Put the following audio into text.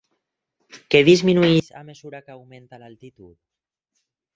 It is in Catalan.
Què disminueix a mesura que augmenta l'altitud?